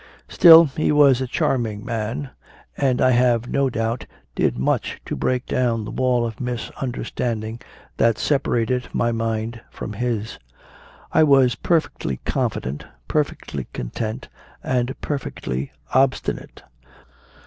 Still, he was a charming man, and, I have no doubt, did much to break down the wall of misunderstanding that separated my mind from his. I was perfectly confident, perfectly content, and perfectly obstinate.